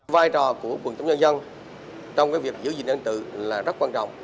vài trò của quận chống nhân dân trong việc giữ gìn an ninh trật tự là rất quan trọng